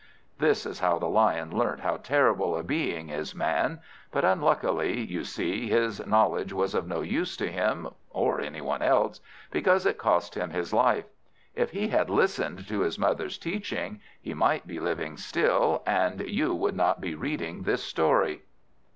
This was how the Lion learnt how terrible a being is Man; but unluckily, you see, his knowledge was of no use to him or any one else, because it cost him his life. If he had listened to his mother's teaching, he might be living still, and you would not be reading this story.